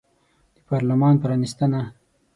د پارلمان پرانیستنه